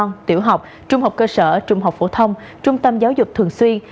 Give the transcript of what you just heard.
trung học tiểu học trung học cơ sở trung học phổ thông trung tâm giáo dục thường xuyên